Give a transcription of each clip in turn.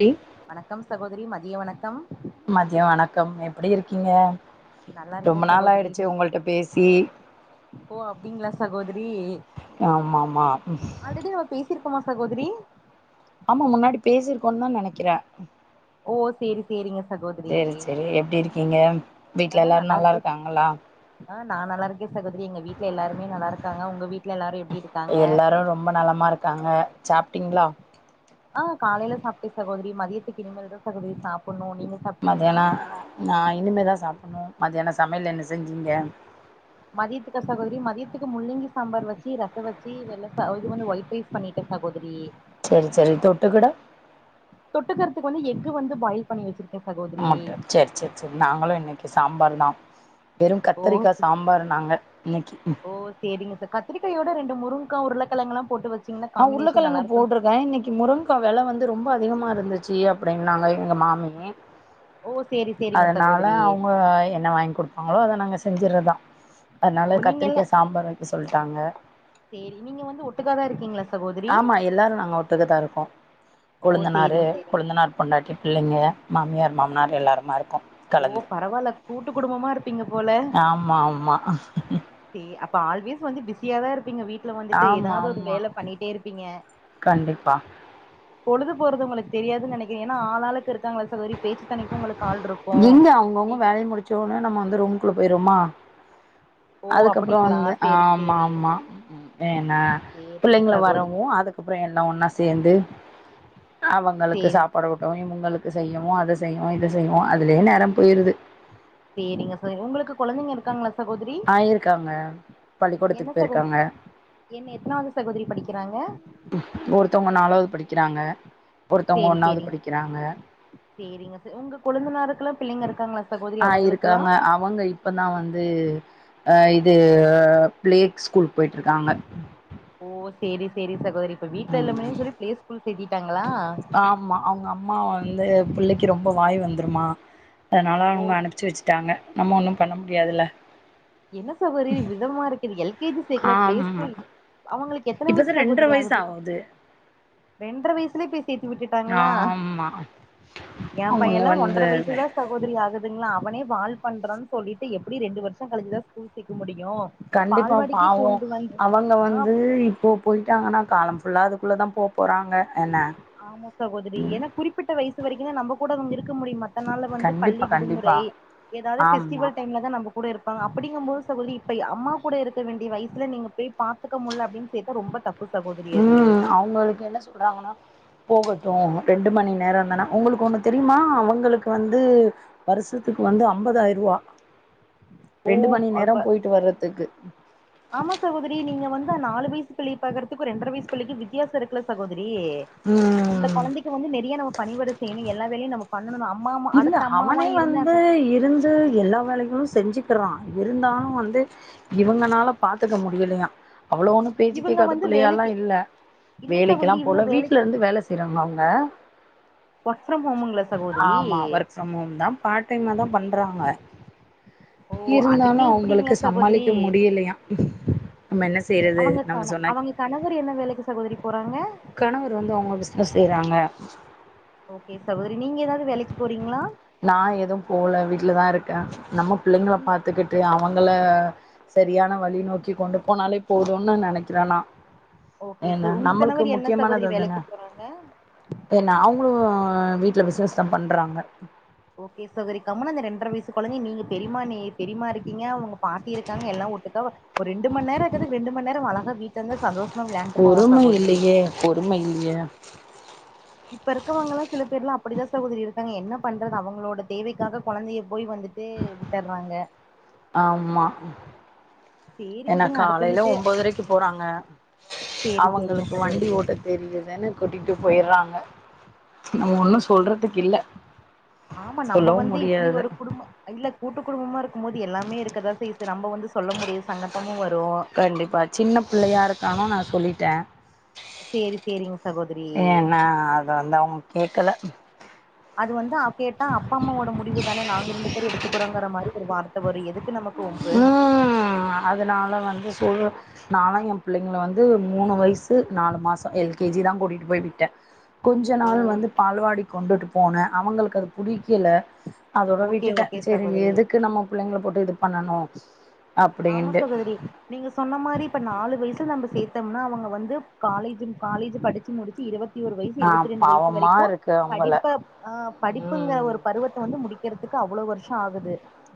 D வணக்கம் சகோதரி மதிய வணக்கம் மதியோ வணக்கம் எப்டிருக்கீங்க நல்லா இருக்கே ரொம்ப நாள் சகோதரி நீ ஆய்டுச்சு உங்கள்ட பேசி ஓ அப்டிங்களா சகோதரி ஆமா ஆமா ஆல்ரெடி நம்ம பேசிருக் கோமா சகோதரி ஆமா முன்னாடி பேசிருக்கோம்னு தா நெனைக்கிறே ஓ சேரி சேரிங்க சகோதரி எப்டிருக் கீங்க ஆ நல்லா இருக்கே ஆ நா நல்லா இருக்கே சகோதரி எங்க வீட்ல எல்லாருமே நல்லாருக்காங்க உங்க வீட் எல்லாரு ரொம்ப நலமாருக்காங்க சாப்ட்டீங்ளா ஆ காலைல சாப்ட்டே சகோதரி மதியத்துக்கு இனிமேல்தா சகோதரி சாப்பிட்ணு நீங்க சாப்ட்டீங்களா மத்தியானோ நா இனிமேல் தா சாப்டணு மத்தியானோ சமையல் என்ன செஞ்சீங்க மதியத்துக்கா சகோதரி மதியத்துக்கு முள்ளங்கி சாம்பார் வச்சு ரசோ வச்சு வெள் இது வந்து ஒயிட் ரைஸ் பண்ணிட்டே சகோதரி சேரி சேரி தொட்டுக்கிட தொட்டுக்கிறதுக்கு வந்து எஃகு வந்து பாயில் பண்ணி வச்சிருக்கே சகோதரி ஆட்டு சேரி சேரி சேரி நாங்களு இன்னைக்கு சாம்பார் தா வெறு ஓ கத்திரிக்கா சாம்பார் நாங்க இன்னைக்கு ஓ சேரிங்க சகோ கத்திரிக்காயோட ரெண்டு முருங்கக்கா உருளக்கிழங்க எல்லா போட்டு வச்சு நா உருளக்கெழங்கு போட்ருக்கே இன்னைக்கு முருங்க கா வெல வந்து ரொம்ப அதிகமாருந்துச்சு அப்டின்னாங்க எங்க மாமி ஓ சேரி சேரி அதனால அவங்க என்ன வாங்கி குடுப்பாங்களோ அத நாங்க செஞ்சறதா ஓ அதனால நீங்க எல்லா கத்திரிக்கா சாம்பார் வைக்க சொல்லிட்டாங்க சேரி நீங்க வந்து ஒட்டுக்காதா இருக்கீங்களா சகோதரி ஆமா எல்லாரு நாங்க ஒட்டுக்காதா இருக்கோ ஓ கொளுந்தனாரு சேரிங்க சேரிங்க கொளுந்தனார் பொண்டாட்டி பிள்ளிங்க மாமியார் மாமனார் எல்லாருமா இருக்கோ ஓ கலந்து பரவால்ல கூட்டு குடும்பமா இருப்பீங்க போல ஆமா ஆமா சே அப்ப ஆல்வேஸ் வந்து பிஸியா தா இருப்பீங்க வீட் ட்டுல வந்துட்டு ஆமா ஏதாவது ஒரு ஆமா வேல பண்ணிட்டே இருப்பீங்க கண்டிப்பா பொழுது போறது உங்களுக்கு தெரியாதுன்னா நெனைக்க ஏன்னா ஆளாளுக்கு இருக்காங்கள சகோதரி பேச்சு தொனைக்கு உங்களுக்கு ஆள் இருக்கு சோனே நம்ம வந்து ரூமுக்குள்ள போயிருவோமா ஓ அதுக்கப்றோ அப்டிங்களா வந்து சேரி ஆமா சேரி ஆமா ஏன்னா சேரிங்க பிள்ளைங்க சகோதரி வரவு அதுக்கப்றோ எல்லாம் ஒன்னா சேந்து அவங்களுக்கு சேரி சாப்பாடு ஊட் டவு இவங்களுக்கு செய்யவு அத செய்யவு இத செய்யவு அதுலயே நேரம் போயிருது சேரிங்க சார் உங்களுக்கு கொழந்தைங்க இருக்காங்ளா ஆ இருக்காங்க பள்ளிக்கூடத்துக்கு போயிருக்காங்க என் எத்தனாவது சகோதரி படிக்கிறாங்க ஒருத்தவங்க நாலாவுது படிக்கிறாங்க ஒருத்தவங்க சேரி ஒன்னாவுது சேரிங்க படிக்கிறாங்க சேரிங்க ச உங்க கொழுந்து நாருக்குல்லா பிள்ளிங்க இருக்காங்களா சகோதரி ஆ அவங்களுக்குல்லா இருக்காங்க ஆப் அவங்க இப்பதா வந்து ஆ இது பிளேக் ஸ்கூல் போயிட்டு இருக்காங்க ஓ சேரி சேரி சகோதரி இப்ப வீட்ல இல்லாமே சொல்லி பிளே ஸ்கூல் சேத்திட்டாங்களா ஆமா அவுங்க அம்மா வந்து புள்ளிக்கி ரொம்ப வாய் வந்துருமா அதுனால ஓ அவங்க அனுப்புச்சு வெச்சு டாங்க நம்ம ஒன்னு பண்ண முடியாதுல என்ன சகோதரி விதமா இருக்குது எல் கே ஜி சேக்லா பிளே ஆமா ஸ்கூல் அவங்களுக்கு எத்தன வயிசு இப்பதான் ரெண்டரை சகோதரி வயசு ஆகுது ஆவுது ரெண்டர வயிசுலயே பேஸ் சேத்து விட்டுட்டாங்களா ஆமா எம் பைய அவங்க எல்லா ஒன்றர வந்து வயிசு தா சகோதரி ஆகுதுங்களா அவனே வால் பண்றா சொல்லிட்டு எப்டியு ரெண்டு வருஷோ கழிச்சுதா ஸ்கூல் சேக்க முடியு கண்டிப்பா பால்வாடிக்கே பாவோ கொண்டு வந்து அவங்க ஆ வந்து இப்போ போயிட்டாங்கன்னா காலம் ஃபுல்லா அதுக்குள்ளே தா போ போறாங்க என்ன ஆமா சகோதரி ஏன்னா குறிப்பிட்ட வயிசு வரைக்கு தா நம்ம கூட இவுங்க இருக்க முடியுமா மத்த நாள் வந்து பள்ளி கண்டிப்பா கண்டிப்பா விடுமுறை ஏதாது ஆமா பெஸ்டிவல் டைம்ல தா நம்ப கூ கூட இருப்பாங்க அப்டிங்கும்பது சகோதரி இப்ப அம்மா கூட இருக்க வேண்டிய வயிசுல நீங்க போய் பாத்துக்க முடில அப்பின்னு சேத்தா ரொம்ப தப்பு சகோதரி அது [unintelligible] என்ன சொல்றாங்கன்னா போகட்டு ரெண்டு மணி நேர தானே உங்களுக்கு ஒன்னு தெரியுமா அவங்களுக்கு வந்து வருஷத்துக்கு வந்து அம்பதாய ரூவா ரெண்டு மணி நேர அப்ப போயிட்டு வர்றதுக்கு ஆமா சகோதரி நீங்க வந்தா நாலு வயிசு பிள்ளைய பாக்குறதுக்கு ரெண்ர வயிசு பிள்ளைக்கு வித் வித்தியாசோ இருக்குல சகோதரி இந்த ம் கொழந்தைக்கு வந்து நெறிய நம்ம பணி விட செய்யணு எல்லா வேலையு நமக் பண்ணனு அம்மமா அடுத்த அம்மாவா இருந்து அந்த இருந் து எல்லா வேலைகளு செஞ்சுக்கிறா இருந்தாலு வந்து இவங்கனால பாத்துக்க முடியலயா அவ்ளோ ஒண்ணு பேச்சு இவங்க கேக்காத வந்து புள்ளையா இல்லா வேலைக்கு இல்ல இல்ல வேலை கெல்லா சகோதரி இவங்க போல வீட்ல வேலைக்கு இருந்து வேல செய் திரும்ப அவ்ங்க ஒர்க் ஃப்ரம் ஹோம்ங்குலா சகோதிரி ஆமா ஒர்க் ஃப்ரம் ஹோம் தா பார் டைமா தா பண்றாங்க ஓ இருந்தாலு அதுக்கே இப்டிங்களா அவங்களுக்கு சகோதரி சமாளிக்க முடியலையா நம்ம என்ன செய்யறது அவங்க நம்ம கண சொன்னா அவங்க கணவர் என்ன வேலைக்கு சகோதரி போறாங்க கணவர் வந்து அவுங்க பிஸ்னஸ் செய்யறாங்க ஓகே சகோதரி நீங்க ஏதாது வேலைக்கு போறீங்களா நா எதும் போல வீட்ல தா இருக்கே நம்ம புள்ளைங்கள உங்க பாத்துக்கிட் அவங்கள சரியான வழி நோக்கி கொண்டு போனாலே போதுன்னு நா நினைக்கிறேனா ஓகே ஏன ச உங்க நம்மளுக்கு கணவர் என்ன முக்கியமானது சகோதரி அதான வேலைக்கு போறாங்க ஏனா அவங்களு வீட்ல பிஸ்னஷ் தா பண்றாங்க ஓகே சகோதரி கம்னு அந்த ரெண்டரை வயிசு கொழந்தை நீங்க பெரியம்மா நீ பெரியம்மா இருக்கீங்க அவுங்க பாட்டி இருக்காங்க எல்லா ஒட்டுக்கா ஒரு ரெண்டு மண் நேர இருக்குது ரெண்டு மண் நேரோ அவ அழகா வீட்ல இருந்து சந்தோஷமா விளையாண்டு போவான் பொறுமை சகோதிரி இல்லையே பொறுமை இல்லயே இப்ப இருக்கவங்கல்லா சில பேர்லா அப்டிதா சகோதரி இருக்காங்க என்ன பண்றது அவங்களோட தேவைக்காக கொழந்தைய போய் வந்துட் டு விட்டறாங்க ஆமா சேரி ஏன்னா விடுங்க அடுத்த காலையில வீட்டு ஒம்பதரைக்கு போறாங்க சேரி சேரிங்க அவங்களுக்கு வண்டி சகோதரி ஓட்டு தெரியுதுன்னு கூட்டிட்டு போயறாங்க ஓ செரிங்க சகோதரி ஆமா நம்ப சொல்லவு வந்து இப்டி முடியாது ஒரு குடும்ப இல்ல கூட்டு குடும்பமா இருக்கும் போது எல்லாமே இருக்கதா செய்யு இப்ப நம்ப வந்து சொல்ல முடிய சங்கட்டமு வரு கண்டிப்பா சின்ன புள்ளையா இருக்கானு நா சொல்லிட்டே சேரி சேரிங்க சகோதரி ஏ நா அத வந்த அவங்க கேக்கல அது வந்து அவ் கேட்டா அப்பா அம்மாவோட முடிவு தான நாங்க ரெண்டு பேரு எடுத்துக்கறோங்கற மாரி ஒரு வார்த்த வரு எதுக்கு நம்ம ம் அதனால வந்து சொல்ல நானு எ பிள்ளைங்கள வந்து மூணு வயசு நாலு மாச எல் கே ஜி தா கூட்டிட்டு போய் விட்டே கொஞ்ச ஓ நாள் வந்து பால்வாடி கொண்டுட்டு போனே அவங்களுக்கு அது புடிக்கல அதோட ஓகே விட்டுட்டே ஓகே சரி சகோதரி எதுக்கு நம்ம புள்ளைங்கள போட்டு இது பண்ணணு ஆமா அப்டின்ட்டு சகோதரி நீங்க சொன்ன மாரி இப்ப நாலு வயசுல நம்ப சேத்தம்னா அவங்க வந்து காலேஜும் காலேஜ் படிச்சு முடிச்சு இருபத் தி ஒரு வயசு ஆ இருபத்தி ரெண்டு வயசு பாவமா வரைக்கு இருக்கு அவங்கள படிப்ப ஆ படிப்புங்கற ம் ஒருப் பருவத்த வந்து முடிக்கிறதுக்கு அவ்ளோ வருசோ ஆகுது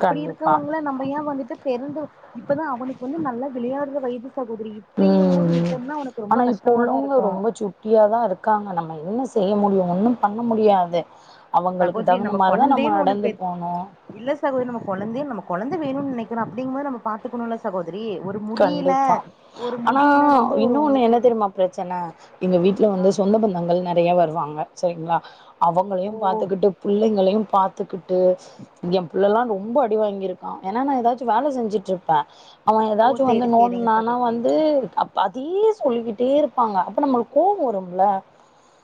அப்டி கண்டிப்பா இருக்கவங்கள நம்ப ஏ வந்துட்டு பெருந்து இப்பதா அவனுக்கு வந்து நல்ல விளையாடுற வயது சகோதிரி அப்பிடிங்கும் போது ம் விட்டம்னா ஒனக்கு ரொம்ப கஷ்டமா தா இருக்கு ட்டியாதா இருக்காங்க நம்ம என்ன செய்ய முடியு ஒன்னும் பண்ண முடியாது அவங்களுக்கு சகோதரி தகுந்த மாரி தா நம்ம கொழந்தைன்னு ஒண்ணு நடந்து பெத் போணு இல்ல சகோதரி நம்ம கொழந்தேன் நம்ம கொழந்த வேணு நினைக்கறோ அப்படிங்கும் போது நம்ம பாத் த்துக்கணும்ல சகோதரி ஒரு முடியில கண்டிப்பா ஒரு ஆனா முடியில ரொம்ப ஒரு இன்னொன்னு உங்களுக்கு என்ன ஒரு தெரியுமா பிரச்சன எங்க வீட்ல வந்து ஆ சொந்த பந்தங்கள் நெறைய வருவாங் சரிங்களா அவங்களையு ஓ பாத்துக்கிட்டு புள்ளைங்களையு பாத்துக்கிட்டு ஏ புள்ளெல்லா ரொம்ப அடி வாங்கிருக்கா ஏன்னா நா ஏதாச்சு வேல செஞ்சுட்றுப்பே அவ ஓ ட்டு வந்து சேரி நோன்டு சேரிங்க நானா சகோதரி வந்து தப் அதே சொல்லிக்கிட்டே இருப்பாங்க அப்ப நம்பளுக்கு கோவம் வரும்ல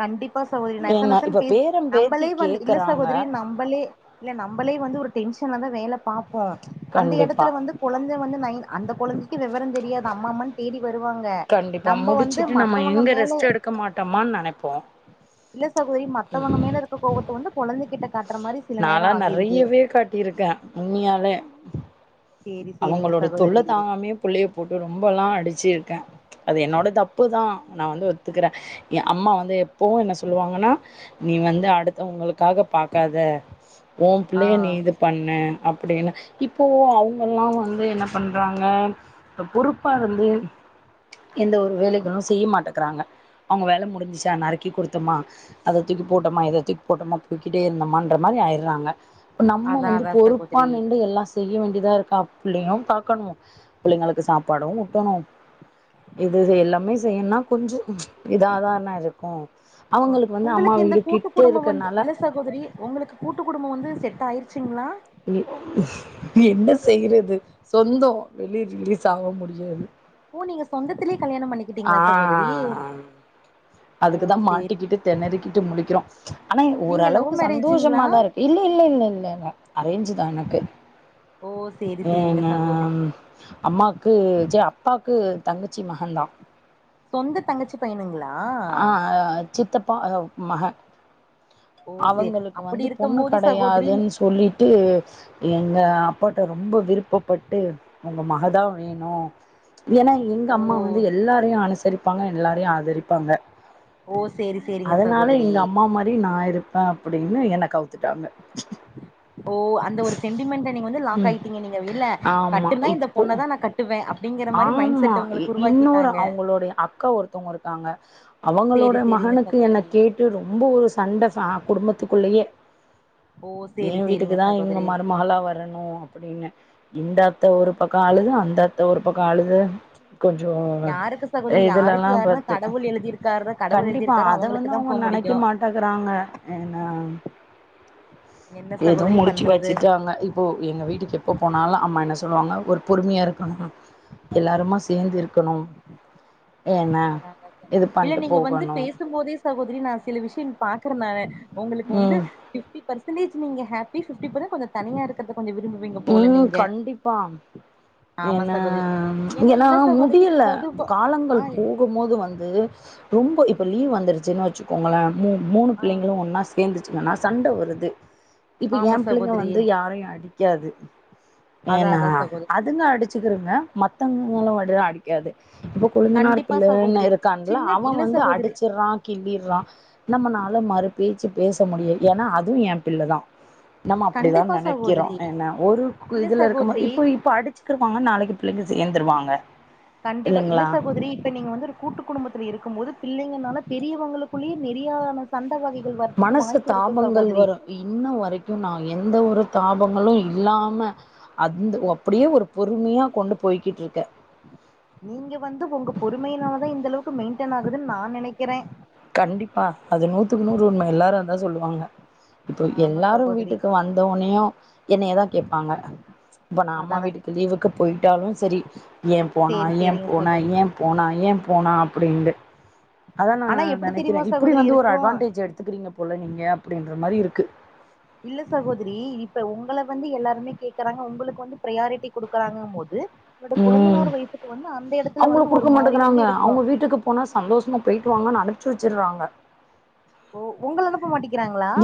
கண்டிப்பா சகோதரி நெச என்ன நசன் இப்ப பேச பேரம் பேத்தி நம்பளே வந்து இல்ல கேக்குறாங்க சகோதரி நம்பளே இல்ல நம்பளே வந்து ஒரு டென்ஷன்ல தா வேலை பாப்போம் அந்த கண்டிப்பா எடத்துல வந்து கொழந்தை வந்து நைட் அந்தக் கொழந்தை க்கு வெவரம் தெரியாது அம்மா அம்மானு தேடி வருவாங்க கண்டிப்பா நம்ப வந்து மத்தவங்க மேல டமான் நெனைப்போம் இல்ல சகோதரி மத்தவங்க மேல இருக்க கோவத்தை வந்து குழந்தை கிட்ட காட்ற மாரி சில நேரோ நாலாம் ஆகிருது நெறையவே காட்டியிருக்கேன் உண்மையாலே சேரி சேரிங்க அவங்களோட தொல்ல சகோதரி தாங்காமே புள்ளைய போட்டு ரொம்பலாம் அடிச்சிருக்கே அது என்னோட தப்பு தா நா வந்து ஒத்துக்கறே ஏ அம்மா வந்து எப்பவும் என்ன சொல்லுவாங்கன்னா நீ வந்து அடுத்தவங்களுக்காக பாக்காத ஓ ஆ பிள்ளைய நீ இது பண்ணு அப்டின்னு இப்பவு அவங்கல்லா வந்து என்ன பண்றாங்க பொறுப்பா இருந்து எந்த ஒரு வேலைகளும் செய்ய மாட்டேக்கிறாங்க அவங்க வேல முடிஞ்சிச்சா நறுக்கி குடுத்தம்மா அத தூக்கி போட்டம்மா இத தூக்கி போட்டம்மா போய்கிட்டே இருந்தமன் அந்த மாதிரி ஆயறாங்க நம்ம அதா வந்து அதா பொறுப்பா சகோதரி நின்டு எல்லா செ செய்ய வேண்டியதா இருக்கா பிள்ளையும் பாக்கணும் பிள்ளைங்களுக்கு சாப்பாடும் ஊட்டணும் இது இது எல்லாமே செய்யன்னா கொஞ்சொ இதாதான்ன இருக்கும் அவங்களுக்கு வந்து அம்மா வீடு கிட்டே இருக்கிறனால இப்போதைக்கு உங்களுக்கு கூட்டு குடும்பம் வந்து செட் ஆயிருச்சுங்களா என்ன செய்யறது சொந்தம் வெளிய ரிலீஸ் ஆக முடியாது ஓ நீங்க சொந்தத்துலே கல்யாணோ பண்ணிக் ஆ ஓ அதுக்குதா சேரி மாட்டிக்கிட்டு தெனறிக்கிட்டு முலிக்கறோ அனே நீங்க லவ் ஓரளவுக்கு மேரேஜுங்களா சந்தோஷமாதா இருக் இல்ல இல்ல இல்ல இல்ல அரேஞ்தா எனக்கு ஓ சேரி சேரிங்க ஏன்ன சகோதரி அம்மாக்கு ஜே அப்பாக்கு தங்கச்சி மததா சொந்த தங்கச்சி பையனுங்ளா ஆ சித்தப்பா அ மக ஓ சேரி அவுங்களுக்கு அப்படி வந்து இருக்கும் பொண்ணு போது சகோதரி கெடையாதுன் சொல்லி ட்டு எங்க அப்பாட்ட ரொம்ப விருப்பப்பட்டு உங்க மகதா வேணு ஏன்னா எங்க ஓ அம்மா வந்து எல்லாரையு அனுசரிப்பாங்க எல்லாரையு ஆதரிப்பாங்க ஓ சேரி சேரிங்க அதனால சகோதரி எங்க அம்மா மாதி நா இருப்பே அப்டின்னு என்ன கவுத்துட்டாங்க ஓ அந்த ஒரு சென்டிமெண்ட நீங்க வந்து ம் லாக் ஆயிட்டீங்க நீங்க இல்ல ஆமா. கட்டுனாஇந்த இப்போ பொண்ணை தா நா கட் ஆமா இன்னொரு உருவாக்கிட்டாங்க அவுங்களுடைய அக்கா ஒருத்தவங்க இருக்காங்க அவுங்களோட சேரி சேரிங்க மகனுக்கு என்ன சகோதரி கேட்டு ரொம்ப ஒரு சண்ட ச குடும்பத்துக்குள்ளயே ஓ ஏ சேரி சேரிங்க வீட்டுக்குதா இவுங்க சகோதரி மருமகளா வரனு வரணு அப்டின்னு இந்த அத்த ஒரு பக்கோ அழுது அந்த அத்த ஒரு பக்கோ அழுது கொஞ்சோ யாருக்கு சகோதரி யாருக்கு இதுலல்ல யாருன்னா பத்து கடவுள் எழுதியிருக்காரு கடவுள் கண்டிப்பா எழுதியிருக்காரோ அத வந்து அவங்களுக்குதா அவுங்க போ நெனைக்க முடியு மாட் ட்டாக்குறாங்க என்ன என்ன இதுவு சகோதரி முடிச்சு பண்றது வச்சுட்டாங்க இப்போ எங்க வீட்டுக்கு எப்போ போனாலு அம்மா என்ன சொல்லுவாங்க ஒரு பொறுமையாக இருக்கணு எல்லாருமா சேந்து இருக்கணு இல்ல பண்ட்டு நீங்க வந்து போகணு பேசும்போதே இல்ல சகோதரி நா சில விஷ்யோ பாக்குறந்தா உங்ளுக்கு வந்து ம் ஃபிப்ட்டி பெர்சன்டேஜ் நீங்க ஹேப்பி ஃபிப்ட்டி பெர்சன்டேஜ் கொஞ்சோ தனிய இருக்கர்த கொஞ்சோ விரும்பு ம் கண்டிப்பா ஆமா ஏன்ன சகோதரி ஏன்னா இல்ல சகோதரி முடியல பொதுவா காலங்கள் ஆ போக க்கும்போது வந்து ரொம்ப இப்ப லீவ் வந்துருச்சுன்னு வச்சுக்கோங்களே மூணு ஆ பிள்ளைங்ளு ஒன்னா சேந்துச்சுங்கன்னா சண்ட வருது இப்ப ஆமா ஏ பிள்ளைங்க சகோதரி வந்து யாரையு அடிக்காது அதா ஏன்னா அதா சகோதரி அதுங்க அடிச்சுக்கிருங்க [unintelligible] அடிக்காது இப்ப கொளுந்தனார் கண்டிப்பா பிள்ளன்னு சகோதரி இருக்கான்ல சின்ன அவ இல்ல வந்து சகோதரி அடிச்சிட்றா கிள்ளிட்றா நம்மனால மறு பேச்சு பேச முடியு ஏன்னா அதுவு எ பிள்ளதா நம்ம அப்படிதா கண்டிப்பா நெனைக்கறோ சகோதரி ஒரு இல்ல இதுல இருக்கும்போது சகோதரி இப்ப இப்ப அடிச்சுக்கிருவாங்க நாளைக்கு பிள்ளைங்க சேந்துருவாங்க கண்டிப்பா இல்ல சகோதரி இப்ப நீங்க வந்து கூட்டு குடும்பத்துல இருக்கு போது பிள்ளைங்கனால பெரியவங்களுக்குள்ளயு நெரியான சந்த வகைகள் வர்துக்கு மனசு வாய்ப்பு இருக்கு தாபங்கள் சகோதரி வரு இன்ன வரைக்கு நா எந்த ஒரு தாபங்களு இல்லாம அந்து அப்படியே ஒரு பொறுமையா கொண்டு போய்கிட்டு இருக்க நீங்க வந்து உங்க பொறுமையினால தான் இந்தளவுக்கு மெயின்டெயின் ஆகுதுன்னு நான் நெனைக்கிறேன் கண்டிப்பா அது நூத்துக்கு நூறு உண்மை எல்லாரும் அதான் சொல்லுவாங்க இப்போ ஆமா எல்லாரும் சகோதரி வீட்டுக்கு வந்தோனையும் என்னய தான் கேப்பாங்க இப்போ நான் அதா அம்மா அதா வீட்டுக்கு லீவுக்கு போயிட்டாலும் செரி ஏன் போனா சேரி ஏன் சேரிங்க போனா சகோதரி ஏன் போனா ஏ போனா அப்டின்னு அதா நா ஆனா எப்டி நெனைக்கிறே தெரியுமா இப்டி சகோதரி வந்து ஒரு இருக்கு அட்வான்டேஜ் எடுத்துக்கிறீங்க போல நீங்க அப்டின்ற மாரி இருக்கு இல்ல சகோதரி இப்ப உங்க வந்து எல்லாருமே கேக்கறாங்க உங்களுக்கு வந்து பிரயாரிட்டி குடுக்கறாங்க போது என்னோட ம் கொழந்தனார் வைப்புக்கு வந்து அந்த இடத்துல வந்து அவங்களுக்கு ஒரு குடுக்க மாரி மாட்டேக்கறாங்க மட்டு இருக்கும் அவங்க வீட்டுக்கு போனா சந்தோஷமா போயிட்டு வாங்கன்னு அனுப்ச்சி வச்சுறாங்க ஓ உங்கள அனுப்ப மாட்டேங்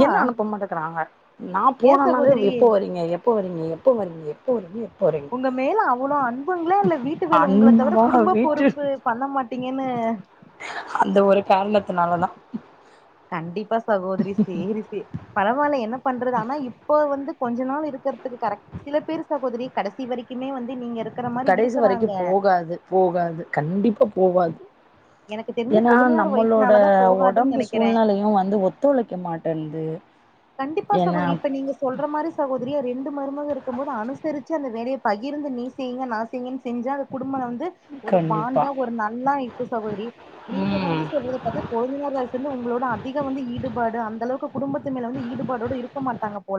என்ன அனுப்ப மாட்டேக்கறாங்க நான் ஏ போனேனாலே சகோதரி எப்போ வறீங்க எப் எப்போ வறீங்க எப்போ வறீங்க எப்போ வறீங்க எப்போ வறீங்க உங்க மேல அவ்ளோ அன்புங்களா இல்ல வீட்டு வேலை உங்கள தவிர அன்பா குடும்ப வீட்டு பொறுப்பு பண்ண மாட்டீங்கன்னு அந்த ஒரு காரணத்துனாலதான் கண்டிப்பா சகோதரி செரி சே பரவாயில்ல என்ன பண்றது ஆனா இப்ப வந்து கொஞ்ச நாள் இருக்கிறது க்கு கரெக்ட் சில பேர் சகோதரி கடைசி வரைக்குமே வந்து நீங்க இருக்கு கடைசி வரைக்கும் போகாது போகாது கண்டிப்பா போகாது எனக்கு தெரிஞ்சு ஏன்னா கொழுந்தனார் நம்மளோட ஒய்ஃப்னாலதா போகாதுன்னு ஒடம்பு நெனைக்கிறே சூழ்நிலையும் வந்து ஒத்துழைக்க மாட்டேங்குது கண்டிப்பா சகோதரி இப்ப நீங்க சொல்ற மாரி சகோதரி ரெண்டு மருமக இருக்கும் போது அனுசரிச்சு அந்த வேலையை பகிர்ந்து நீ செய்ங்க நா செய்ங்கன்னு செஞ்சா அந்த குடும்ப வந்து ஒரு கண்டிப்பா பாண்டா ஒரு நல்லா இருக்கும் சகோதரி நீங்க ம் வந்து சொல்றத பாத்தா கொழுந்தனார் வைஃப் வந்து உங்களோட அதிகம் வந்து ஈடுபாடு அந்த அளவுக்கு குடும்பத்து மேல வந்து ஈடுபாடோட இருக்க மாட்டாங்க போல